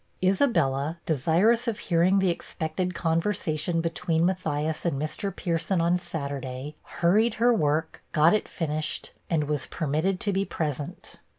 Isabella, desirous of hearing the expected conversation between Matthias and Mr. Pierson on Saturday, hurried her work, got it finished, and was permitted to be present.